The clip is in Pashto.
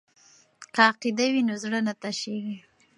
که عقیده وي نو زړه نه تشیږي.